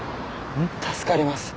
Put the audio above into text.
助かります。